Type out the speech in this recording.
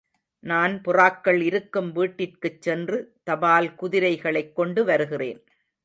நான் புறாக்கள் இருக்கும் வீட்டிற்குச் சென்று தபால் குதிரைகளைக் கொண்டு வருகிறேன்.